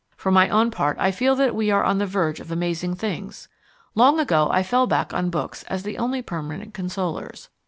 For my own part I feel that we are on the verge of amazing things. Long ago I fell back on books as the only permanent consolers.